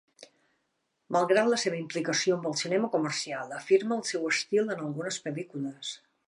Malgrat la seva implicació amb el cinema comercial, afirma el seu estil en algunes pel·lícules.